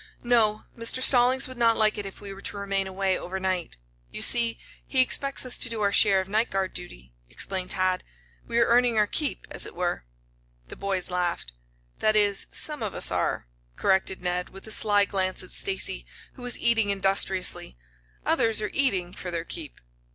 "No; Mr. Stallings would not like it if we were to remain away over night. You see, he expects us to do our share of night guard duty," explained Tad. "We are earning our keep as it were." The boys laughed. "That is, some of us are," corrected Ned, with a sly glance at Stacy, who was eating industriously. "Others are eating for their keep."